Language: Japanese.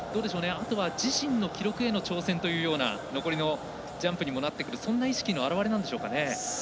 あとは自身の記録への挑戦というような残りのジャンプにもなってくるそんな意識の表れなんでしょうか。